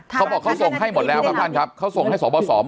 เขาบอกเขาส่งให้หมดแล้วครับท่านครับเขาส่งให้สบสหมด